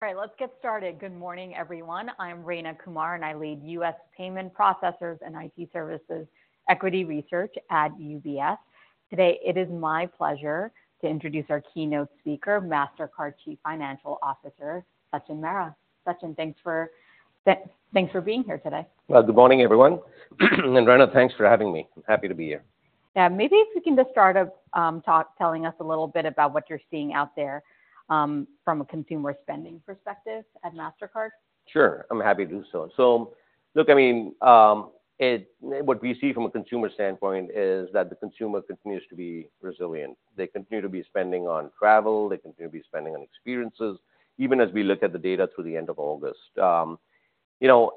All right, let's get started. Good morning, everyone. I'm Rayna Kumar, and I lead U.S Payment Processors and IT Services Equity Research at UBS. Today, it is my pleasure to introduce our keynote speaker, Mastercard Chief Financial Officer, Sachin Mehra. Sachin, thanks for being here today. Well, good morning, everyone. Rayna, thanks for having me. I'm happy to be here. Yeah. Maybe if you can just start off, telling us a little bit about what you're seeing out there, from a consumer spending perspective at Mastercard. Sure, I'm happy to do so. So look, I mean, what we see from a consumer standpoint is that the consumer continues to be resilient. They continue to be spending on travel, they continue to be spending on experiences, even as we look at the data through the end of August. You know,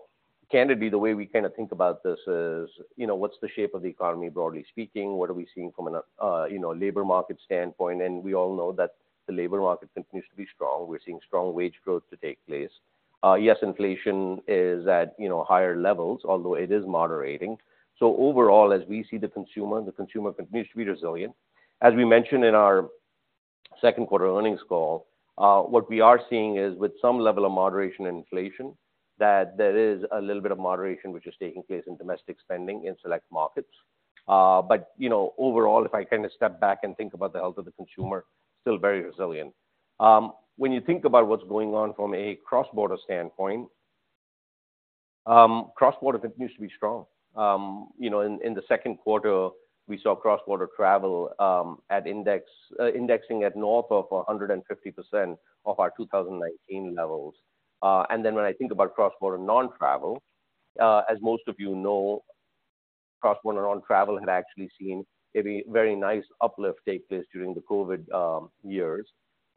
candidly, the way we kinda think about this is, you know, what's the shape of the economy, broadly speaking? What are we seeing from a, you know, labor market standpoint? And we all know that the labor market continues to be strong. We're seeing strong wage growth to take place. Yes, inflation is at, you know, higher levels, although it is moderating. So overall, as we see the consumer, the consumer continues to be resilient. As we mentioned in our second quarter earnings call, what we are seeing is, with some level of moderation and inflation, that there is a little bit of moderation, which is taking place in domestic spending in select markets. But, you know, overall, if I kinda step back and think about the health of the consumer, still very resilient. When you think about what's going on from a cross-border standpoint, cross-border continues to be strong. You know, in the second quarter, we saw cross-border travel, at index, indexing at north of 150% of our 2019 levels. And then when I think about cross-border non-travel, as most of you know, cross-border non-travel had actually seen a very, very nice uplift take place during the COVID years.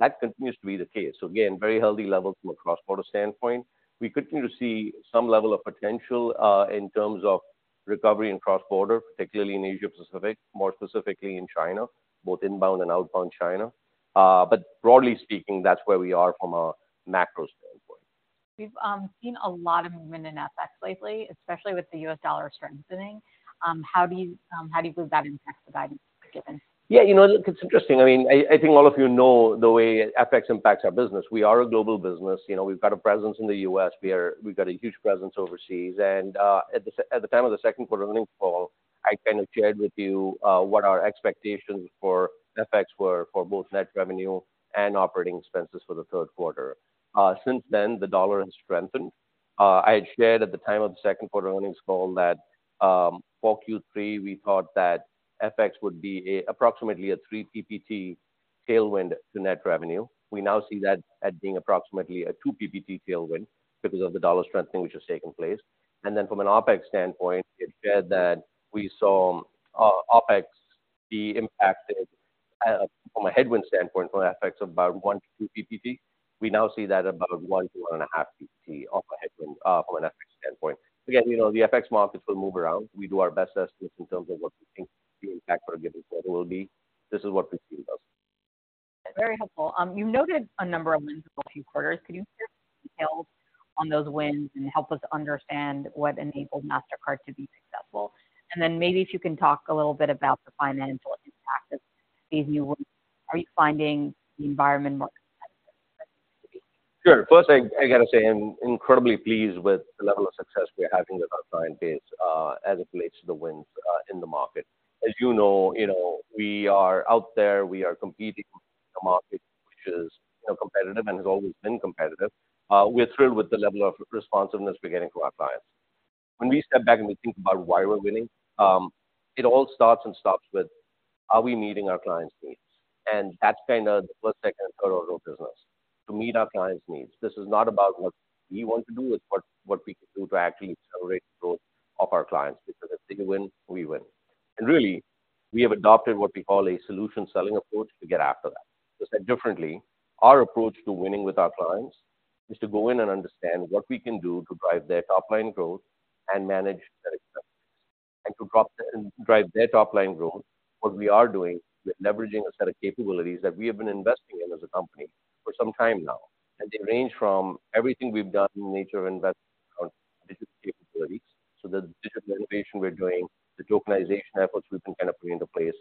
That continues to be the case. So again, very healthy levels from a cross-border standpoint. We continue to see some level of potential, in terms of recovery in cross-border, particularly in Asia Pacific, more specifically in China, both inbound and outbound China. But broadly speaking, that's where we are from a macro standpoint. We've seen a lot of movement in FX lately, especially with the U.S dollar strengthening. How do you believe that impacts the guidance you've given? Yeah, you know, look, it's interesting. I mean, I think all of you know the way FX impacts our business. We are a global business. You know, we've got a presence in the U.S We've got a huge presence overseas, and at the time of the second quarter earnings call, I kind of shared with you what our expectations for FX were for both net revenue and operating expenses for the third quarter. Since then, the dollar has strengthened. I had shared at the time of the second quarter earnings call that, for Q3, we thought that FX would be approximately a three PPT tailwind to net revenue. We now see that as being approximately a two PPT tailwind because of the dollar strengthening, which has taken place. And then from an OpEx standpoint, it said that we saw OpEx be impacted from a headwind standpoint from an FX of about one-two PPT. We now see that above one-1.5 PPT of a headwind from an FX standpoint. Again, you know, the FX markets will move around. We do our best estimates in terms of what we think the impact for a given quarter will be. This is what we see, though. Very helpful. You noted a number of wins in the last few quarters. Can you share details on those wins and help us understand what enabled Mastercard to be successful? And then maybe if you can talk a little bit about the financial impact of these wins. Are you finding the environment more competitive than it used to be? Sure. First, I gotta say, I'm incredibly pleased with the level of success we are having with our client base, as it relates to the wins in the market. As you know, you know, we are out there, we are competing in the market, which is, you know, competitive and has always been competitive. We're thrilled with the level of responsiveness we're getting from our clients. When we step back and we think about why we're winning, it all starts and stops with: Are we meeting our clients' needs? And that's kinda the first, second, and third of our business, to meet our clients' needs. This is not about what we want to do, it's what we can do to actually accelerate the growth of our clients, because if they win, we win. And really, we have adopted what we call a solution selling approach to get after that. To say it differently, our approach to winning with our clients is to go in and understand what we can do to drive their top-line growth and manage their expenses. And to drive their top-line growth, what we are doing, we're leveraging a set of capabilities that we have been investing in as a company for some time now, and they range from everything we've done in nature of investment on digital capabilities, so the digital innovation we're doing, the tokenization efforts we've been kind of putting into place,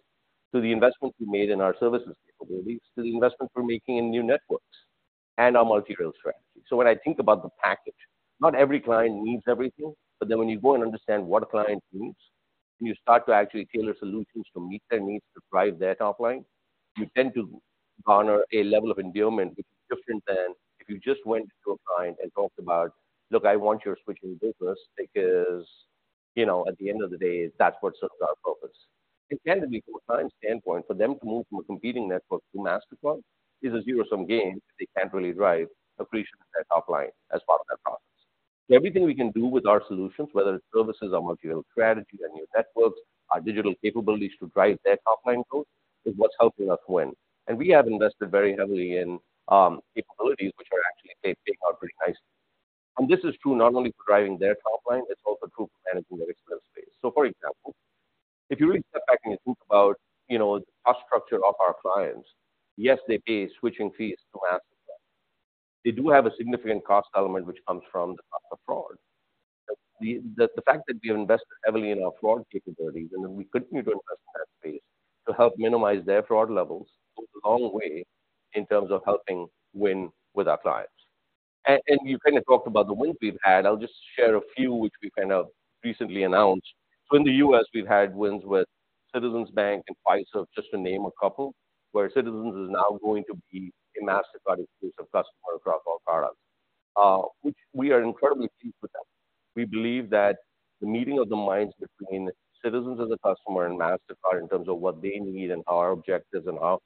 to the investments we made in our services capabilities, to the investments we're making in new networks and our multi-rail strategy. So when I think about the package, not every client needs everything, but then when you go and understand what a client needs, and you start to actually tailor solutions to meet their needs to drive their top line, you tend to garner a level of endearment, which is different than if you just went to a client and talked about, "Look, I want you to switch your business because, you know, at the end of the day, that's what serves our purpose." It can be, from a client standpoint, for them to move from a competing network to Mastercard is a zero-sum game, they can't really drive appreciation in their top line as part of that process. So everything we can do with our solutions, whether it's services, our multi-rail strategy, our new networks, our digital capabilities to drive their top-line growth, is what's helping us win. And we have invested very heavily in capabilities, which are actually paying out pretty nicely. And this is true not only for driving their top line, it's also true for managing their expense base. So, for example, if you really step back and you think about, you know, the cost structure of our clients, yes, they pay switching fees to Mastercard. They do have a significant cost element, which comes from the cost of fraud.... The fact that we invest heavily in our fraud capabilities, and then we continue to invest in that space to help minimize their fraud levels, goes a long way in terms of helping win with our clients. And you kind of talked about the wins we've had. I'll just share a few, which we kind of recently announced. So in the U.S, we've had wins with Citizens Bank and Pfizer, just to name a couple, where Citizens is now going to be a Mastercard exclusive customer across all products, which we are incredibly pleased with that. We believe that the meeting of the minds between Citizens as a customer and Mastercard in terms of what they need and our objectives and our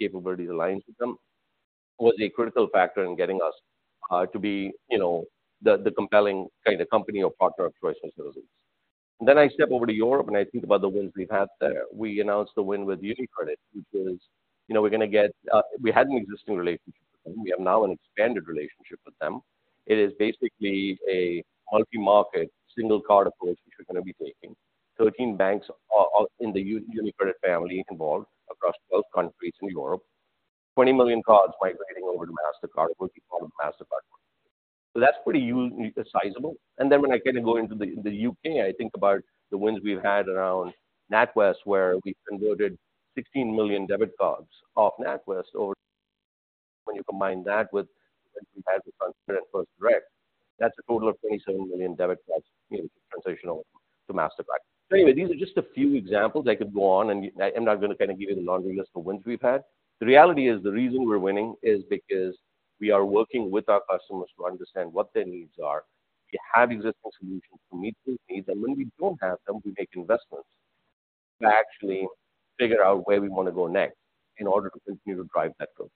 capabilities aligns with them, was a critical factor in getting us to be, you know, the compelling kind of company or partner of choice for Citizens. Then I step over to Europe, and I think about the wins we've had there. We announced the win with UniCredit, which is, you know, we're gonna get. We had an existing relationship with them. We have now an expanded relationship with them. It is basically a multi-market, single card approach, which we're gonna be taking. 13 banks are in the UniCredit family involved across 12 countries in Europe. 20 million cards migrating over to Mastercard, which we call the Mastercard. So that's pretty sizable. And then when I kind of go into the U.K., I think about the wins we've had around NatWest, where we converted 16 million debit cards off NatWest over. When you combine that with first direct, that's a total of 27 million debit cards, you know, transitional to Mastercard. So anyway, these are just a few examples. I could go on, and I'm not gonna kind of give you the laundry list of wins we've had. The reality is, the reason we're winning is because we are working with our customers to understand what their needs are. We have existing solutions to meet those needs, and when we don't have them, we make investments to actually figure out where we want to go next in order to continue to drive that growth.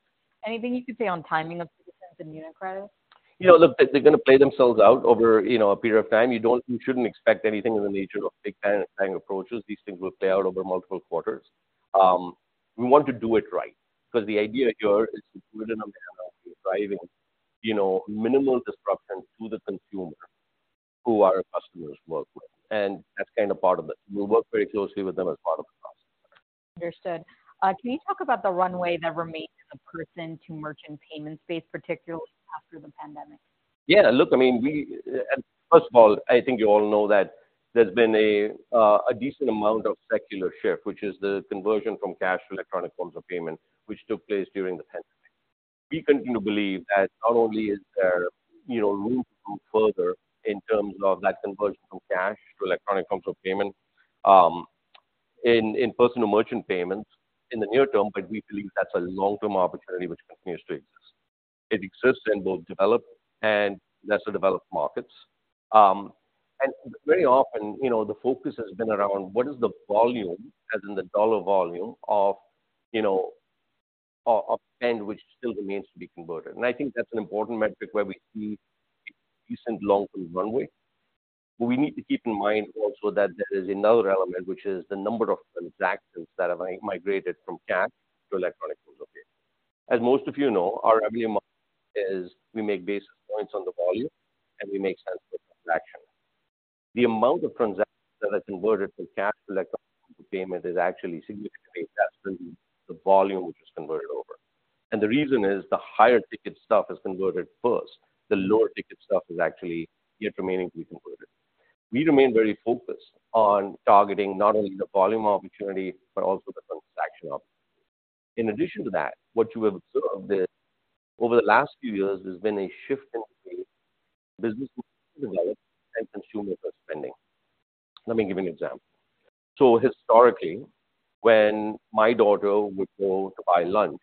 Anything you could say on timing of the wins in UniCredit? You know, look, they're gonna play themselves out over, you know, a period of time. You don't, you shouldn't expect anything in the nature of big bang, bang approaches. These things will play out over multiple quarters. We want to do it right, because the idea here is to put in a manner of driving, you know, minimal disruption to the consumer who our customers work with, and that's kind of part of it. We work very closely with them as part of the process. Understood. Can you talk about the runway that remains in the person-to-merchant payment space, particularly after the pandemic? Yeah, look, I mean, we. First of all, I think you all know that there's been a decent amount of secular shift, which is the conversion from cash to electronic forms of payment, which took place during the pandemic. We continue to believe that not only is there, you know, room to move further in terms of that conversion from cash to electronic forms of payment in person-to-merchant payments in the near term, but we believe that's a long-term opportunity which continues to exist. It exists in both developed and lesser developed markets. And very often, you know, the focus has been around what is the volume, as in the dollar volume, of, you know, of spend, which still remains to be converted. And I think that's an important metric where we see decent long-term runway. But we need to keep in mind also that there is another element, which is the number of transactions that have migrated from cash to electronic forms of payment. As most of you know, our revenue model is, we make basis points on the volume, and we make cents per transaction. The amount of transactions that has converted from cash to electronic payment is actually significantly less than the volume which is converted over, and the reason is the higher ticket stuff is converted first. The lower ticket stuff is actually yet remaining to be converted. We remain very focused on targeting not only the volume opportunity, but also the transaction op. In addition to that, what you have observed is, over the last few years, there's been a shift in the way businesses develop and consumer are spending. Let me give you an example. So historically, when my daughter would go to buy lunch,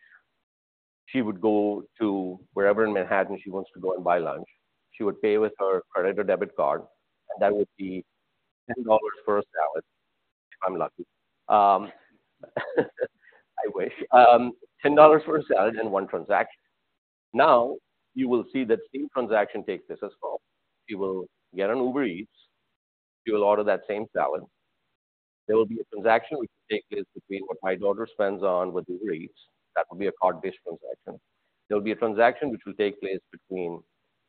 she would go to wherever in Manhattan she wants to go and buy lunch. She would pay with her credit or debit card, and that would be $10 for a salad, if I'm lucky. I wish. $10 for a salad and one transaction. Now, you will see that same transaction takes this as well. She will get an Uber Eats. She will order that same salad. There will be a transaction which will take place between what my daughter spends on with Uber Eats. That will be a card-based transaction. There will be a transaction which will take place between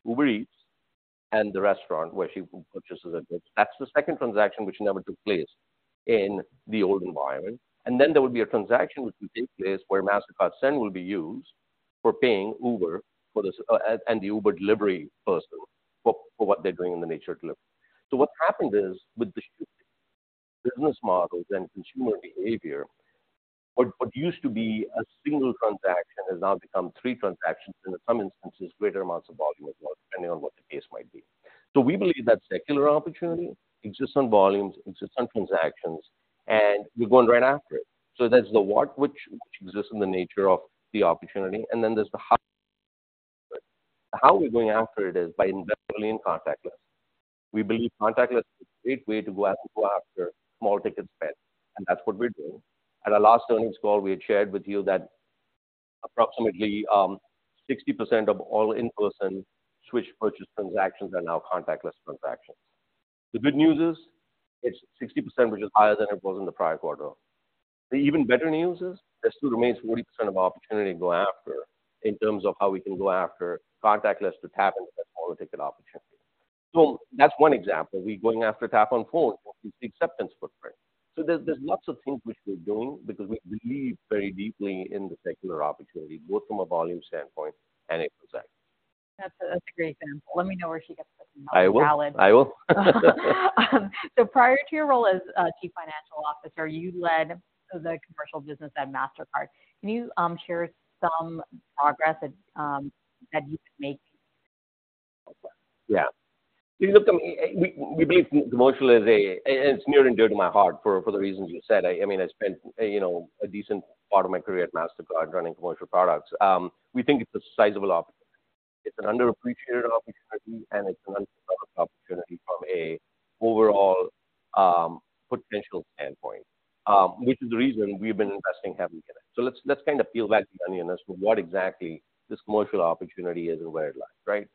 Uber Eats and the restaurant where she purchases it. That's the second transaction which never took place in the old environment. And then there will be a transaction which will take place where Mastercard Send will be used for paying Uber for this, and the Uber delivery person for what they're doing in the nature of delivery. So what's happened is, with the business models and consumer behavior, what used to be a single transaction has now become three transactions, and in some instances, greater amounts of volume as well, depending on what the case might be. So we believe that secular opportunity exists on volumes, exists on transactions, and we're going right after it. So there's the what, which exists in the nature of the opportunity, and then there's the how. How we're going after it is by investing in contactless. We believe contactless is a great way to go after small ticket spend, and that's what we're doing. At our last earnings call, we had shared with you that approximately 60% of all in-person swipe purchase transactions are now contactless transactions. The good news is, it's 60%, which is higher than it was in the prior quarter. The even better news is, there still remains 40% of opportunity to go after in terms of how we can go after contactless to tap into the smaller ticket opportunity. So that's one example. We're going after Tap on Phone, which is the acceptance footprint. So there's lots of things which we're doing because we believe very deeply in the secular opportunity, both from a volume standpoint and a pricing. That's a great example. Let me know where she gets it. I will. valid. I will. So, prior to your role as Chief Financial Officer, you led the commercial business at Mastercard. Can you share some progress that you've made? Yeah. Look, I mean, we believe commercial is a—it's near and dear to my heart for the reasons you said. I mean, I spent, you know, a decent part of my career at Mastercard running commercial products. We think it's a sizable opportunity. It's an underappreciated opportunity, and it's an underdeveloped opportunity from an overall potential standpoint, which is the reason we've been investing heavily in it. So let's kind of peel back the onion as to what exactly this commercial opportunity is and where it lies, right?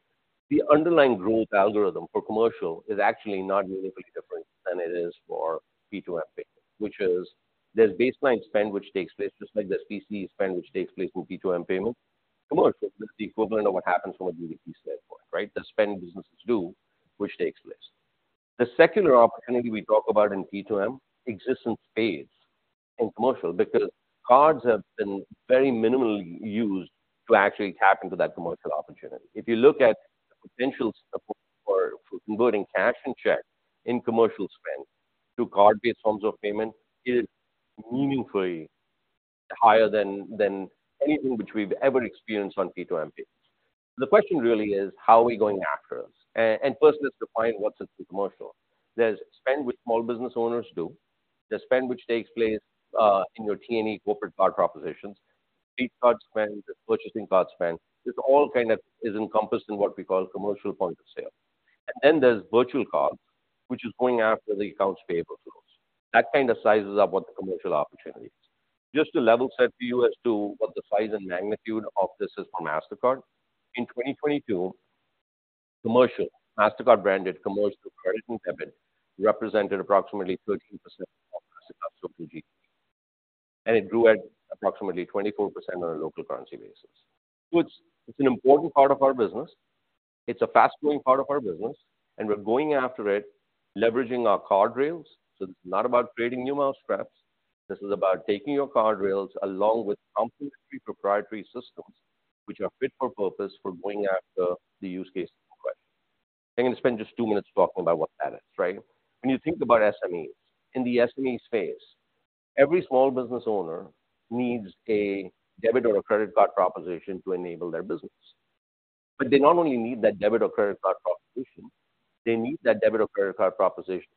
The underlying growth algorithm for commercial is actually not meaningfully different than it is for P2M payments, which is there's baseline spend, which takes place just like there's PCE spend, which takes place with P2M payments. Commercial, this is the equivalent of what happens from a B2C standpoint, right? The spending businesses do, which takes place. The secular opportunity we talk about in P2M exists in space, in commercial, because cards have been very minimally used to actually tap into that commercial opportunity. If you look at the potential support for converting cash and check in commercial spend to card-based forms of payment, it is meaningfully higher than, than anything which we've ever experienced on P2M payments. The question really is: How are we going after this? And first, let's define what's into commercial. There's spend, which small business owners do. There's spend, which takes place in your T&E corporate card propositions. There's card spend, there's purchasing card spend. This all kind of is encompassed in what we call commercial point of sale. And then there's virtual cards, which is going after the accounts payable flows. That kind of sizes up what the commercial opportunity is. Just to level set for you as to what the size and magnitude of this is for Mastercard, in 2022, commercial, Mastercard branded commercial, credit, and debit, represented approximately 13% of Mastercard's total GP, and it grew at approximately 24% on a local currency basis, which is an important part of our business. It's a fast-growing part of our business, and we're going after it, leveraging our card rails. So this is not about creating new mousetraps. This is about taking your card rails along with complementary proprietary systems, which are fit for purpose for going after the use case required. I'm going to spend just two minutes talking about what that is, right? When you think about SMEs, in the SME space, every small business owner needs a debit or a credit card proposition to enable their business. But they not only need that debit or credit card proposition, they need that debit or credit card proposition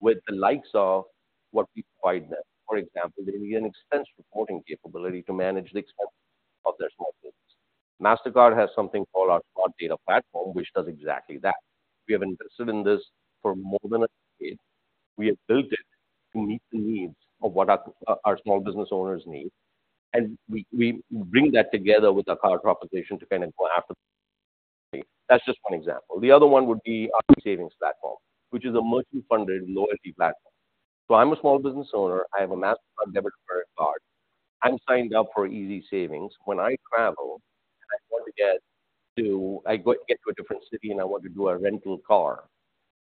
with the likes of what we provide them. For example, they need an expense reporting capability to manage the expenses of their small business. Mastercard has something called our card data platform, which does exactly that. We have invested in this for more than a decade. We have built it to meet the needs of what our, our small business owners need, and we, we bring that together with our card proposition to kind of go after. That's just one example. The other one would be our savings platform, which is a multi-funded loyalty platform. So I'm a small business owner. I have a Mastercard debit or credit card. I'm signed up for Easy Savings. When I travel, and I want to get to... I go, get to a different city, and I want to do a rental car.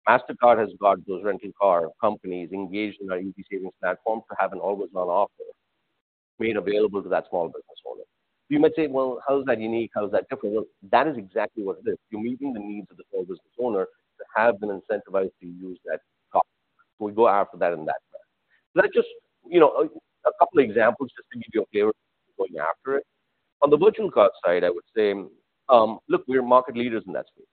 Mastercard has got those rental car companies engaged in our Easy Savings platform to have an always-on offer made available to that small business owner. You might say, "Well, how is that unique? How is that different?" Well, that is exactly what it is. You're meeting the needs of the small business owner to have been incentivized to use that card. We go after that in that way. Let us just, you know, a couple of examples just to give you a flavor of going after it. On the virtual card side, I would say, look, we are market leaders in that space.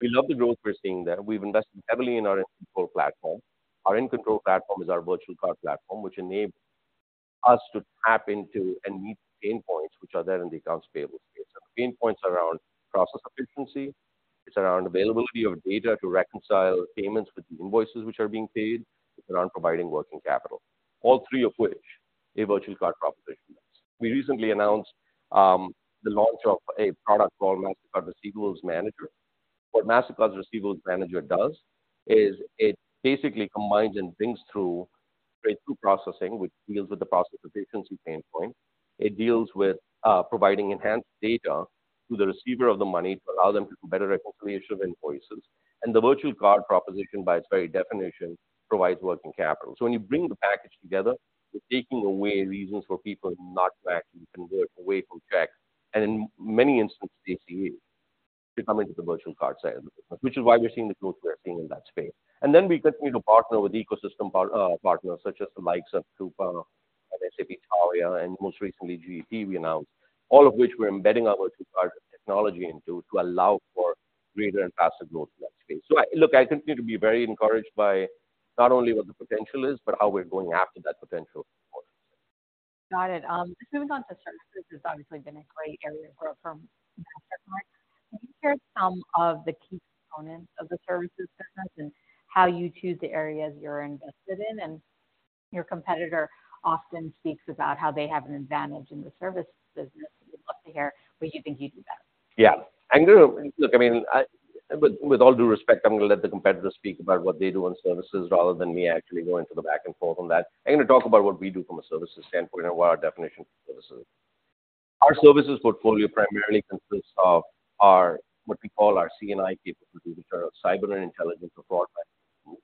We love the growth we're seeing there. We've invested heavily in our control platform. Our In Control platform is our virtual card platform, which enables us to tap into and meet the pain points which are there in the accounts payable space. So the pain points are around process efficiency, it's around availability of data to reconcile payments with the invoices which are being paid, it's around providing working capital, all three of which a virtual card proposition does. We recently announced the launch of a product called Mastercard Receivables Manager. What Mastercard Receivables Manager does is it basically combines and brings through straight-through processing, which deals with the process efficiency pain point. It deals with providing enhanced data to the receiver of the money to allow them to do better reconciliation of invoices. And the virtual card proposition, by its very definition, provides working capital. So when you bring the package together, you're taking away reasons for people to not to actually convert away from checks, and in many instances, APs to come into the virtual card side of the business, which is why we're seeing the growth we're seeing in that space. And then we continue to partner with ecosystem partners such as the likes of Coupa and SAP Taulia, and most recently, GEP, we announced. All of which we're embedding our virtual card technology into to allow for greater and faster growth in that space. So, look, I continue to be very encouraged by not only what the potential is, but how we're going after that potential. Got it. Moving on to services, this obviously been a great area of growth from Mastercard. Can you share some of the key components of the services business and how you choose the areas you're invested in? Your competitor often speaks about how they have an advantage in the service business. We'd love to hear where you think you do better. Yeah. I'm going to. Look, I mean, I, with, with all due respect, I'm going to let the competitor speak about what they do on services rather than me actually going through the back and forth on that. I'm going to talk about what we do from a services standpoint and what our definition of services is. Our services portfolio primarily consists of our, what we call our C&I capabilities, which are our cyber and intelligence fraud management tools.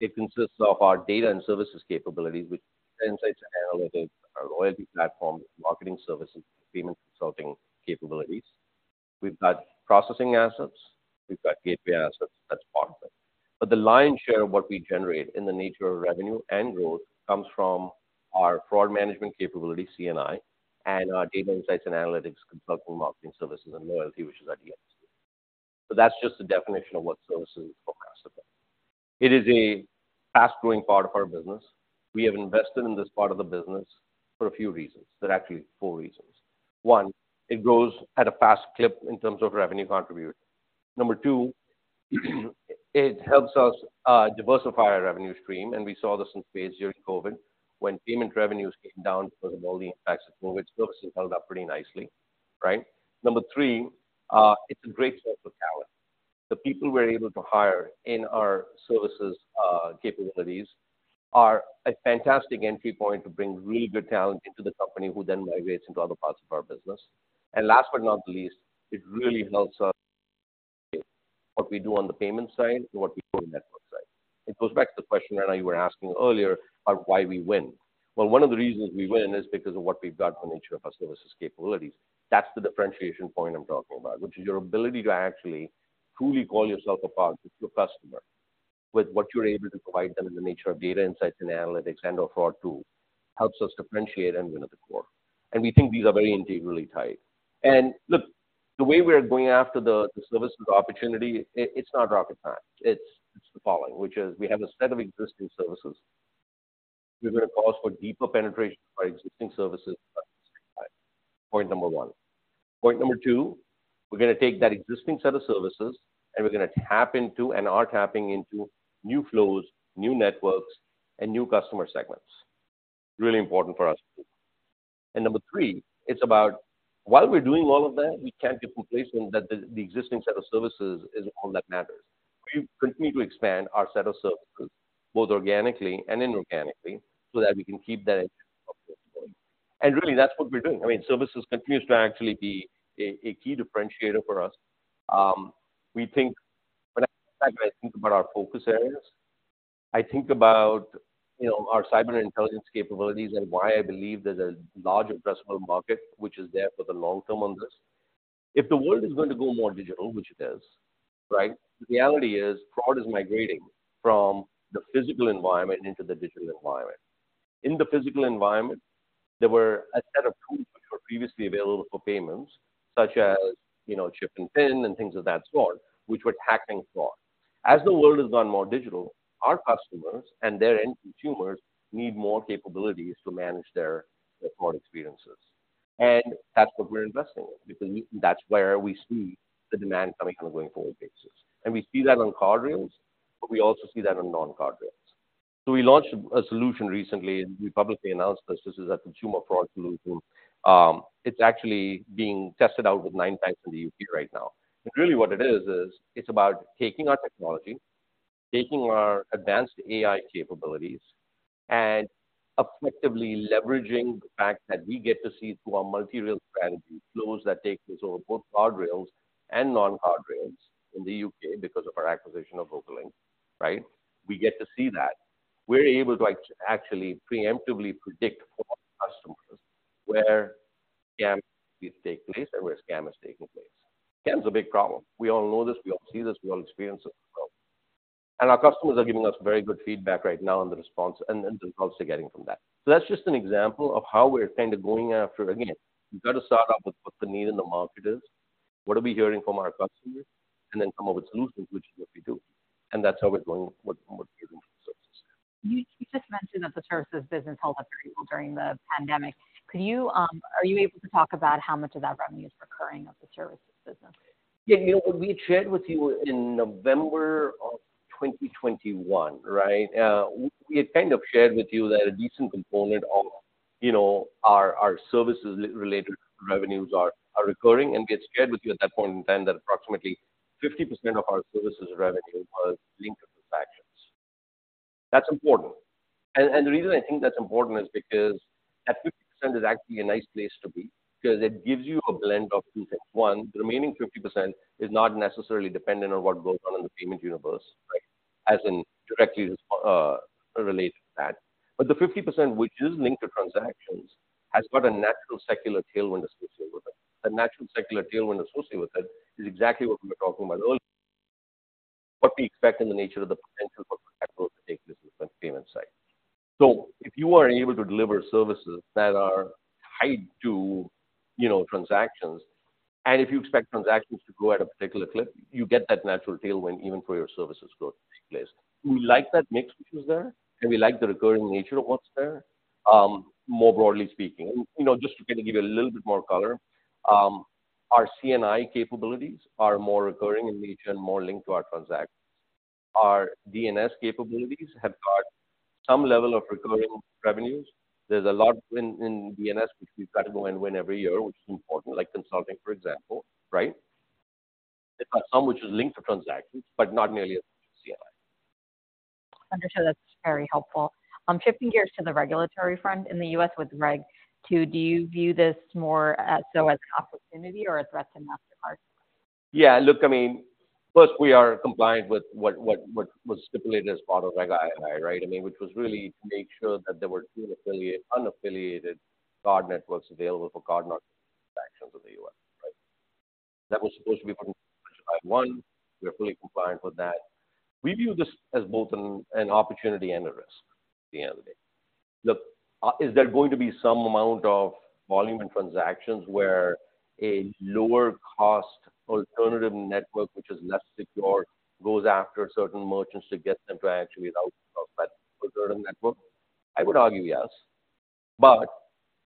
It consists of our data and services capabilities, which insights, analytics, our loyalty platform, marketing services, payment consulting capabilities. We've got processing assets, we've got API assets, that's part of it. But the lion's share of what we generate in the nature of revenue and growth comes from our fraud management capability, C&I, and our data insights and analytics, consulting, marketing services, and loyalty, which is at the end. So that's just the definition of what Services for Mastercard is. It is a fast-growing part of our business. We have invested in this part of the business for a few reasons. There are actually four reasons: One, it grows at a fast clip in terms of revenue contribution. Number two, it helps us diversify our revenue stream, and we saw this in spades during COVID, when payment revenues came down because of all the impacts of COVID, services held up pretty nicely, right? Number three, it's a great source of talent. The people we're able to hire in our services capabilities are a fantastic entry point to bring really good talent into the company who then migrates into other parts of our business. Last but not least, it really helps us what we do on the payment side and what we do on the network side. It goes back to the question that you were asking earlier about why we win. Well, one of the reasons we win is because of what we've got in the nature of our services capabilities. That's the differentiation point I'm talking about, which is your ability to actually truly call yourself a partner to a customer with what you're able to provide them in the nature of data, insights and analytics, and/or fraud tool, helps us differentiate and win at the core. And we think these are very integrally tied. And look, the way we are going after the services opportunity, it's not rocket science. It's the following, which is we have a set of existing services. We're going to call for deeper penetration by existing services. Point number one. Point number two, we're going to take that existing set of services, and we're going to tap into, and are tapping into new flows, new networks, and new customer segments. Really important for us. And number three, it's about while we're doing all of that, we can't be complacent that the existing set of services is all that matters. We continue to expand our set of services, both organically and inorganically, so that we can keep that. And really, that's what we're doing. I mean, services continues to actually be a key differentiator for us. We think when I think about our focus areas, I think about, you know, our cyber intelligence capabilities and why I believe there's a large addressable market, which is there for the long term on this. If the world is going to go more digital, which it is, right? The reality is, fraud is migrating from the physical environment into the digital environment. In the physical environment, there were a set of tools which were previously available for payments, such as, you know, chip and PIN and things of that sort, which were hacking fraud. As the world has gone more digital, our customers and their end consumers need more capabilities to manage their fraud experiences. That's what we're investing in, because that's where we see the demand coming from a going-forward basis. We see that on card rails, but we also see that on non-card rails. We launched a solution recently, and we publicly announced this. This is a consumer fraud solution. It's actually being tested out with 9 banks in the U.K right now. But really what it is, is it's about taking our technology, taking our advanced AI capabilities, and effectively leveraging the fact that we get to see through our multi-rail strategy, flows that take us over both card rails and non-card rails in the U.K. because of our acquisition of Vocalink, right? We get to see that. We're able to like actually preemptively predict for our customers where scams take place and where scam is taking place. Scam is a big problem. We all know this, we all see this, we all experience it. And our customers are giving us very good feedback right now on the response and the results they're getting from that. So that's just an example of how we're kind of going after... Again, we've got to start off with what the need in the market is, what are we hearing from our customers, and then come up with solutions, which is what we do. That's how we're going with services. You just mentioned that the services business held up very well during the pandemic. Are you able to talk about how much of that revenue is recurring of the services business? Yeah, you know, what we had shared with you in November of 2021, right? We had kind of shared with you that a decent component of, you know, our services related revenues are recurring, and we had shared with you at that point in time that approximately 50% of our services revenue was linked to transactions. That's important. And the reason I think that's important is because that 50% is actually a nice place to be, because it gives you a blend of two things. One, the remaining 50% is not necessarily dependent on what goes on in the payment universe, right? As in directly related to that. But the 50%, which is linked to transactions, has got a natural secular tailwind associated with it. A natural secular tailwind associated with it is exactly what we were talking about earlier, what we expect in the nature of the potential for growth to take business on the payment side. So if you are able to deliver services that are tied to, you know, transactions, and if you expect transactions to grow at a particular clip, you get that natural tailwind even for your services growth to take place. We like that mix which is there, and we like the recurring nature of what's there, more broadly speaking. You know, just to kind of give you a little bit more color, our C&I capabilities are more recurring in nature and more linked to our transactions. Our D&S capabilities have got some level of recurring revenues. There's a lot in D&S, which we've got to go and win every year, which is important, like consulting, for example, right? Some which is linked to transactions, but not nearly as C&I.... Understand, that's very helpful. Shifting gears to the regulatory front in the U.S with Reg II, do you view this more as, so as opportunity or a threat to Mastercard? Yeah, look, I mean, first we are compliant with what was stipulated as part of Reg II, right? I mean, which was really to make sure that there were two unaffiliated card networks available for card-not-present transactions in the U.S, right? That was supposed to be by one. We are fully compliant with that. We view this as both an opportunity and a risk at the end of the day. Look, is there going to be some amount of volume and transactions where a lower cost alternative network, which is less secure, goes after certain merchants to get them to actually without a certain network? I would argue, yes. But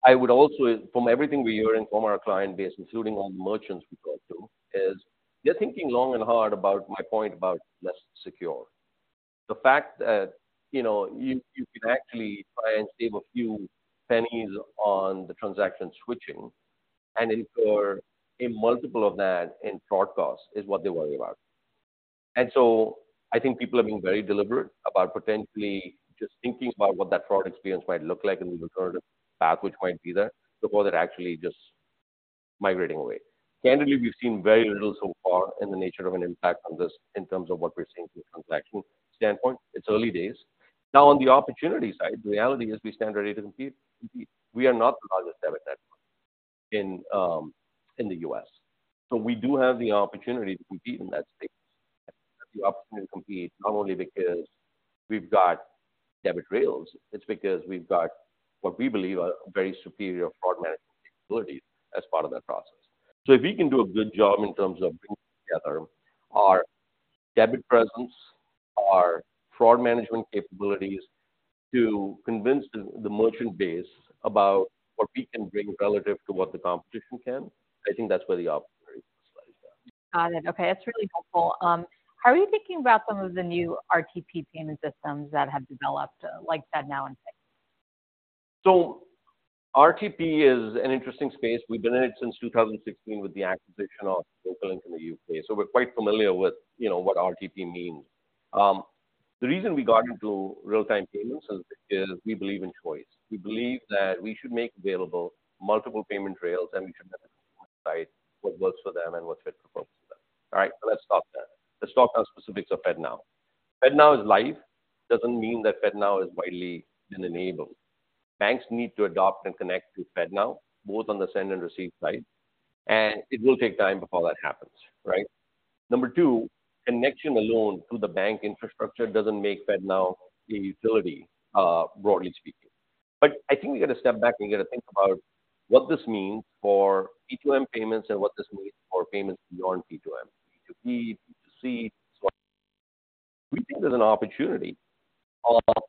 I would also, from everything we're hearing from our client base, including all the merchants we talk to, is they're thinking long and hard about my point about less secure. The fact that, you know, you can actually try and save a few pennies on the transaction switching and incur a multiple of that in fraud costs is what they worry about. And so I think people are being very deliberate about potentially just thinking about what that fraud experience might look like in the alternative path, which might be there, before they're actually just migrating away. Candidly, we've seen very little so far in the nature of an impact on this in terms of what we're seeing from a transaction standpoint. It's early days. Now, on the opportunity side, the reality is we stand ready to compete. We are not the largest debit network in the U.S, so we do have the opportunity to compete in that space. We have the opportunity to compete, not only because we've got debit rails, it's because we've got what we believe are very superior fraud management capabilities as part of that process. So if we can do a good job in terms of bringing together our debit presence, our fraud management capabilities, to convince the merchant base about what we can bring relative to what the competition can, I think that's where the opportunity lies down. Got it. Okay, that's really helpful. How are you thinking about some of the new RTP payment systems that have developed, like FedNow and Pix? So RTP is an interesting space. We've been in it since 2016 with the acquisition of Vocalink in the U.K, so we're quite familiar with, you know, what RTP means. The reason we got into real-time payments is we believe in choice. We believe that we should make available multiple payment rails, and we should decide what works for them and what's fit for them. All right, so let's stop there. Let's talk about specifics of FedNow. FedNow is live, doesn't mean that FedNow is widely been enabled. Banks need to adopt and connect to FedNow, both on the send and receive side, and it will take time before that happens, right? Number two, connection alone through the bank infrastructure doesn't make FedNow a utility, broadly speaking. But I think we've got to step back and we've got to think about what this means for P2M payments and what this means for payments beyond P2M, P2P, P2C. We think there's an opportunity,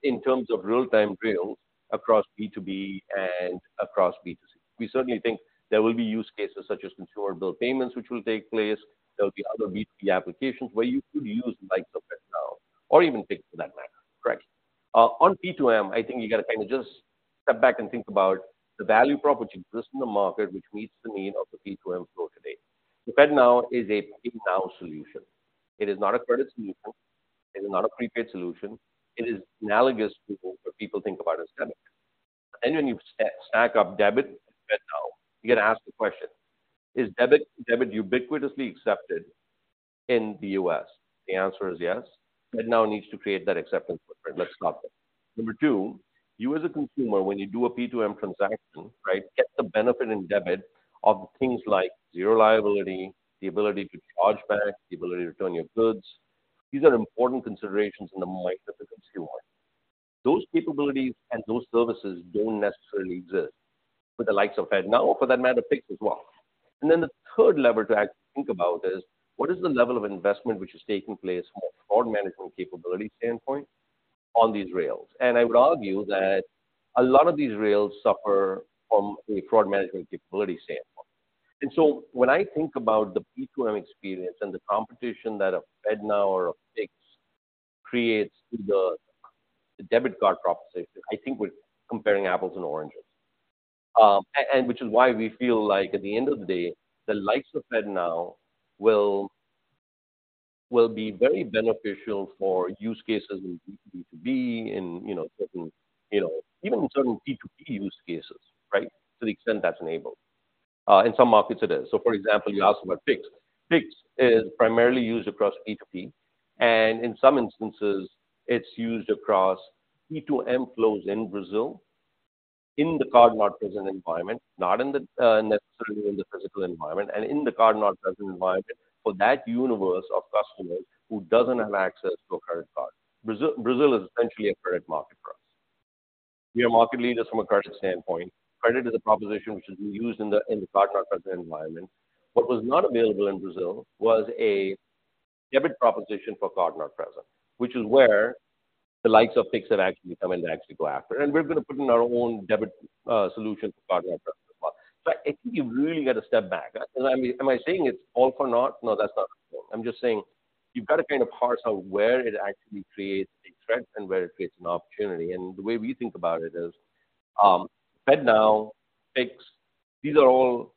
in terms of real-time rails across B2B and across B2C. We certainly think there will be use cases such as consumer bill payments, which will take place. There will be other B2B applications where you could use the likes of FedNow or even Pix, for that matter, right? On P2M, I think you got to kind of just step back and think about the value proposition exists in the market, which meets the need of the P2M flow today. The FedNow is a pay now solution. It is not a credit solution, it is not a prepaid solution. It is analogous to what people think about as debit. And when you stack up debit, FedNow, you got to ask the question, "Is debit, debit ubiquitously accepted in the U.S?" The answer is yes. FedNow needs to create that acceptance. Let's stop there. Number two, you as a consumer, when you do a P2M transaction, right? Get the benefit and debit of things like zero liability, the ability to charge back, the ability to return your goods. These are important considerations in the mind of the consumer. Those capabilities and those services don't necessarily exist for the likes of FedNow, or for that matter, Pix as well. And then the third lever to actually think about is: What is the level of investment which is taking place from a fraud management capability standpoint on these rails? And I would argue that a lot of these rails suffer from a fraud management capability standpoint. And so when I think about the P2M experience and the competition that a FedNow or a Pix creates through the, the debit card proposition, I think we're comparing apples and oranges. And which is why we feel like at the end of the day, the likes of FedNow will, will be very beneficial for use cases in B2B, and, you know, certain, you know, even in certain P2P use cases, right? To the extent that's enabled. In some markets, it is. So, for example, you asked about Pix. Pix is primarily used across P2P, and in some instances it's used across P2M flows in Brazil, in the card-not-present environment, not in the, uh, necessarily in the physical environment and in the card-not-present environment. For that universe of customers who doesn't have access to a credit card. Brazil, Brazil is essentially a credit market for us. We are market leaders from a credit standpoint. Credit is a proposition which is being used in the, in the card-not-present environment. What was not available in Brazil was a debit proposition for card-not-present, which is where the likes of Pix have actually come in to actually go after. And we're going to put in our own debit solution for card-not-present as well. So I think you've really got to step back. I mean, am I saying it's all for naught? No, that's not what I'm saying. I'm just saying you've got to kind of parse out where it actually creates a threat and where it creates an opportunity. And the way we think about it is, FedNow, Pix, these are all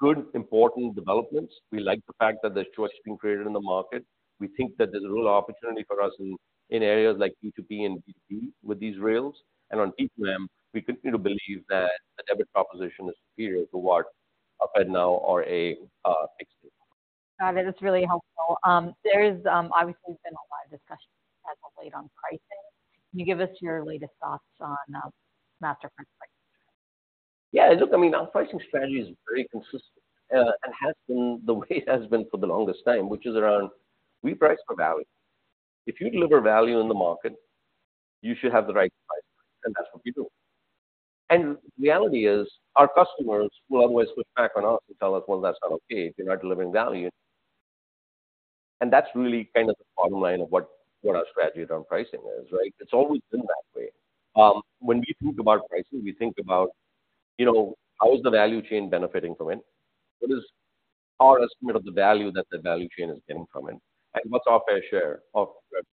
good, important developments. We like the fact that there's choice being created in the market. We think that there's a real opportunity for us in areas like B2B and B2C with these rails. On P2M, we continue to believe that the debit proposition is superior to what UPI and now or a fixed it. Got it. That's really helpful. There's obviously been a lot of discussion as of late on pricing. Can you give us your latest thoughts on Mastercard's pricing? Yeah, look, I mean, our pricing strategy is very consistent, and has been the way it has been for the longest time, which is around we price for value. If you deliver value in the market, you should have the right price, and that's what we do. And the reality is, our customers will always push back on us and tell us, "Well, that's not okay if you're not delivering value." And that's really kind of the bottom line of what our strategy on pricing is, right? It's always been that way. When we think about pricing, we think about, you know, how is the value chain benefiting from it? What is our estimate of the value that the value chain is getting from it, and what's our fair share of it?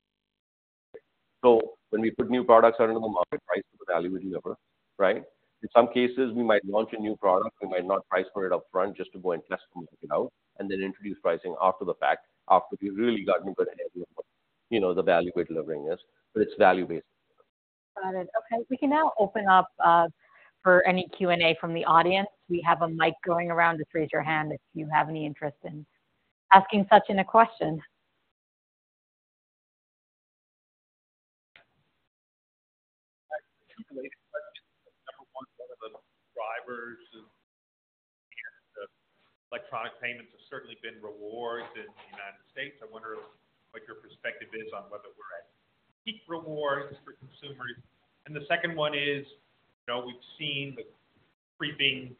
When we put new products out into the market, price for the value we deliver, right? In some cases, we might launch a new product, we might not price for it upfront just to go and test it out, and then introduce pricing after the fact, after we've really gotten a good idea of what, you know, the value we're delivering is, but it's value-based. Got it. Okay, we can now open up for any Q&A from the audience. We have a mic going around. Just raise your hand if you have any interest in asking Sachin a question. One of the drivers of the electronic payments have certainly been rewards in the United States. I wonder what your perspective is on whether we're at peak rewards for consumers. And the second one is, you know, we've seen the creeping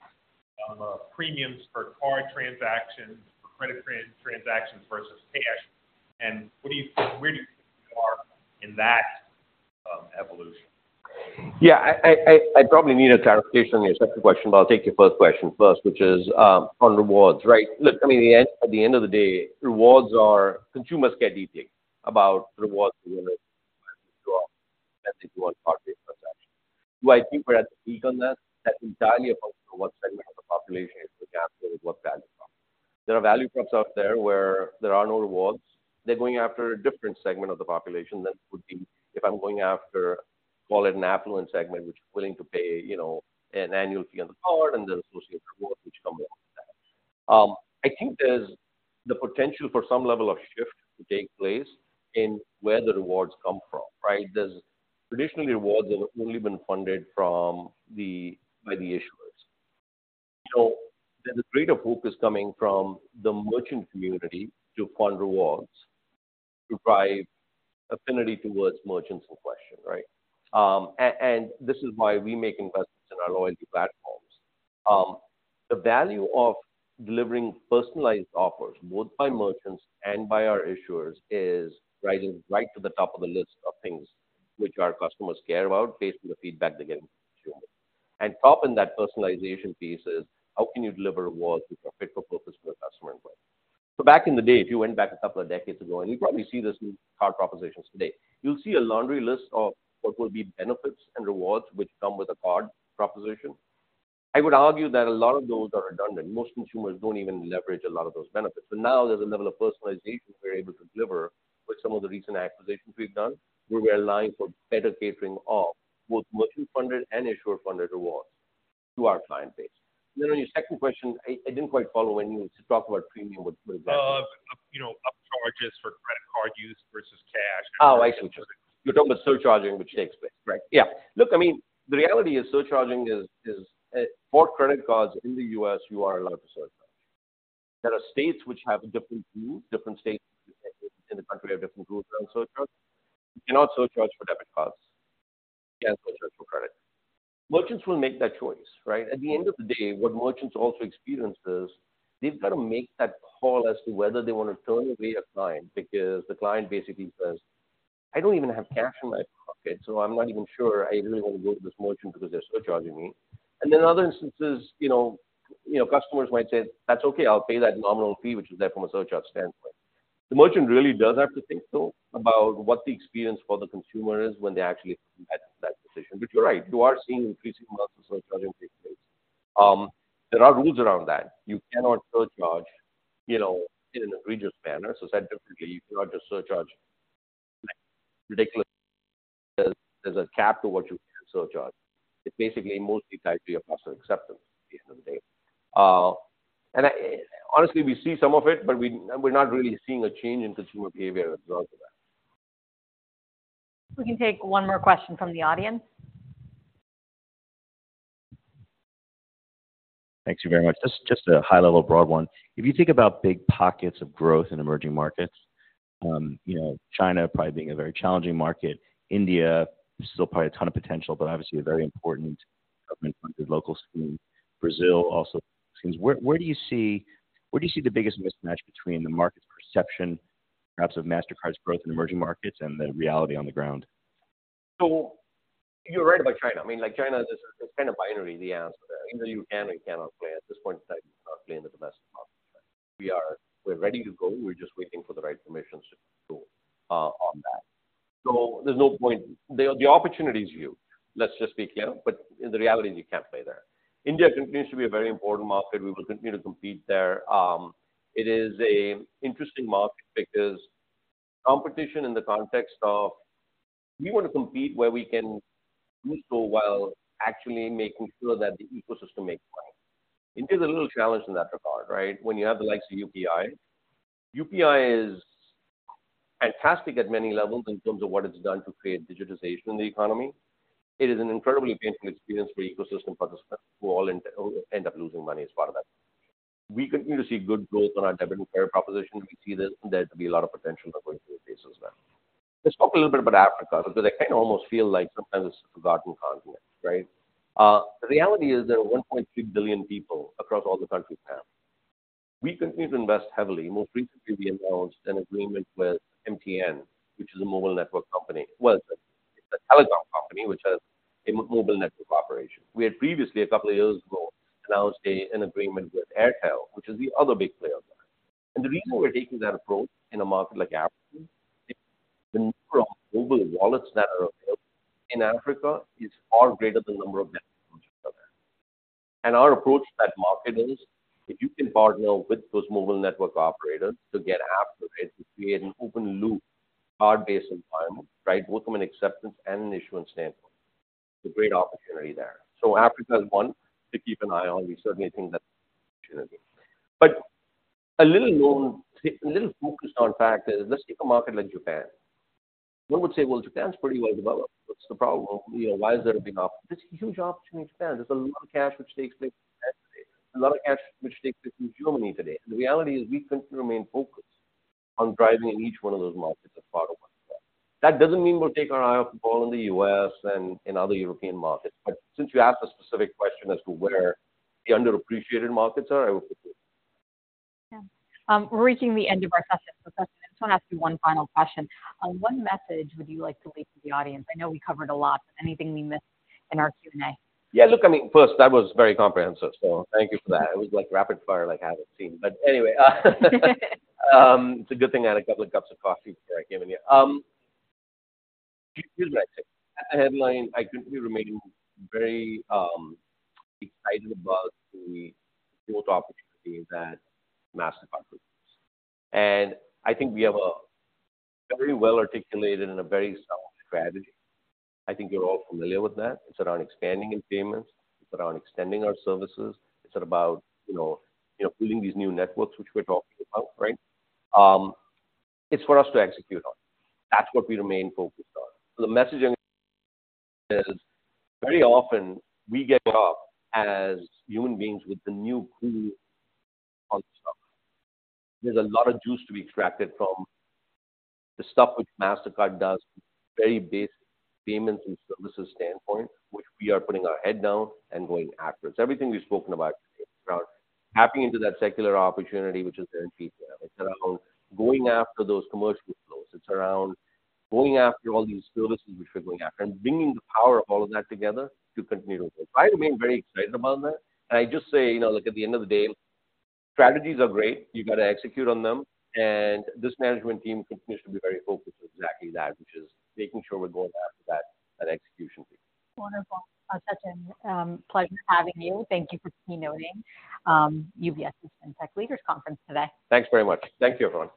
premiums for card transactions, for credit transactions versus cash. And what do you think, where do you think we are in that evolution? Yeah, I probably need a clarification on your second question, but I'll take your first question first, which is on rewards, right? Look, I mean, at the end of the day, rewards are... Consumers care deeply about rewards, and they want part transaction. Do I think we're at the peak on that? That's entirely about what segment of the population is, again, what value. There are value props out there where there are no rewards. They're going after a different segment of the population than it would be if I'm going after, call it an affluent segment, which is willing to pay, you know, an annual fee on the card and the associated rewards which come with that. I think there's the potential for some level of shift to take place in where the rewards come from, right? Because traditionally, rewards have only been funded from the, by the issuers. So there's a greater hope is coming from the merchant community to fund rewards, to drive affinity towards merchants in question, right? and, and this is why we make investments in our loyalty platforms. the value of delivering personalized offers, both by merchants and by our issuers, is rising right to the top of the list of things which our customers care about based on the feedback they're getting. And top in that personalization piece is: how can you deliver rewards which are fit for purpose for the customer involved? So back in the day, if you went back a couple of decades ago, and you probably see this in card propositions today, you'll see a laundry list of what will be benefits and rewards which come with a card proposition. I would argue that a lot of those are redundant. Most consumers don't even leverage a lot of those benefits. So now there's a level of personalization we're able to deliver with some of the recent acquisitions we've done, where we are aligned for better catering of both merchant-funded and issuer-funded rewards to our client base. Then on your second question, I didn't quite follow when you talk about premium, what, what is that? you know, upcharges for credit card use versus cash. Oh, I see. You're talking about surcharging, which takes place, right? Yeah. Look, I mean, the reality is surcharging is for credit cards in the U.S, you are allowed to surcharge. There are states which have different rules. Different states in the country have different rules around surcharge. You cannot surcharge for debit cards. You can surcharge for credit. Merchants will make that choice, right? At the end of the day, what merchants also experience is, they've got to make that call as to whether they want to turn away a client, because the client basically says, "I don't even have cash in my pocket, so I'm not even sure I really want to go to this merchant because they're surcharging me." And then in other instances, you know, you know, customers might say, "That's okay, I'll pay that nominal fee," which is there from a surcharge standpoint. The merchant really does have to think, though, about what the experience for the consumer is when they actually get to that position. But you're right, you are seeing increasing amounts of surcharging take place. There are rules around that. You cannot surcharge, you know, in an egregious manner. So said differently, you cannot just surcharge ridiculously. There's a cap to what you can surcharge. It's basically mostly tied to your cost of acceptance at the end of the day. And I honestly, we see some of it, but we're not really seeing a change in consumer behavior as a result of that. We can take one more question from the audience. Thank you very much. Just a high-level broad one. If you think about big pockets of growth in emerging markets, you know, China probably being a very challenging market, India, still probably a ton of potential, but obviously a very important government-funded local scheme. Brazil, also. Where do you see the biggest mismatch between the market's perception, perhaps of Mastercard's growth in emerging markets and the reality on the ground? So you're right about China. I mean, like China, it's, it's kind of binary, the answer there. Either you can or you cannot play. At this point in time, we're not playing in the domestic market. We're ready to go, we're just waiting for the right permissions to go on that. So there's no point. The opportunity is you, let's just be clear, but the reality is you can't play there. India continues to be a very important market. We will continue to compete there. It is a interesting market because competition in the context of we want to compete where we can do so while actually making sure that the ecosystem makes money. India is a little challenged in that regard, right? When you have the likes of UPI. UPI is fantastic at many levels in terms of what it's done to create digitization in the economy. It is an incredibly painful experience for ecosystem participants who all end up losing money as part of that. We continue to see good growth on our debit and prepaid proposition. We see there to be a lot of potential going forward as well. Let's talk a little bit about Africa, because I kind of almost feel like sometimes it's a forgotten continent, right? The reality is there are 1.3 billion people across all the countries there. We continue to invest heavily. More recently, we announced an agreement with MTN, which is a mobile network company. Well, it's a telecom company which has a mobile network operation. We had previously, a couple of years ago, announced an agreement with Airtel, which is the other big player there. And the reason we're taking that approach in a market like Africa, the number of mobile wallets that are available in Africa is far greater than the number of... And our approach to that market is, if you can partner with those mobile network operators to get after it, to create an open loop, card-based environment, right? Both from an acceptance and an issuance standpoint, it's a great opportunity there. So Africa is one to keep an eye on. We certainly think that... But a little known, a little focused on fact is, let's take a market like Japan. One would say, "Well, Japan's pretty well developed. What's the problem? You know, why is there a big opportunity?" There's a huge opportunity in Japan. There's a lot of cash which takes place today, a lot of cash which takes place in Germany today. The reality is we continue to remain focused on driving in each one of those markets as part of what we do. That doesn't mean we'll take our eye off the ball in the U.S and in other European markets, but since you asked a specific question as to where the underappreciated markets are, I hope... Yeah. We're reaching the end of our session, so I just want to ask you one final question. What message would you like to leave to the audience? I know we covered a lot. Anything we missed in our Q&A? Yeah, look, I mean, first, that was very comprehensive, so thank you for that. It was like rapid fire like I haven't seen. But anyway, it's a good thing I had a couple of cups of coffee before I came in here. Here's what I'd say. Headline, I continue remaining very excited about the growth opportunity that Mastercard brings. And I think we have a very well articulated and a very solid strategy. I think you're all familiar with that. It's around expanding in payments, it's around extending our services. It's about, you know, you know, building these new networks, which we're talking about, right? It's for us to execute on. That's what we remain focused on. So the message is, very often we get caught up as human beings with the new cool stuff. There's a lot of juice to be extracted from the stuff which Mastercard does, very basic payments and services standpoint, which we are putting our head down and going after. It's everything we've spoken about today. It's about tapping into that secular opportunity, which is there in detail. It's around going after those commercial flows. It's around going after all these services which we're going after, and bringing the power of all of that together to continue to build. I remain very excited about that. And I just say, you know, look, at the end of the day, strategies are great. You've got to execute on them, and this management team continues to be very focused on exactly that, which is making sure we're going after that, that execution piece. Wonderful. Such a pleasure having you. Thank you for keynoting UBS's FinTech Leaders Conference today. Thanks very much. Thank you, everyone.